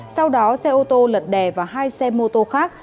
sau đó xe ô tô lật đè vào hai xe mô tô khác